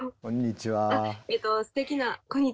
こんにちは。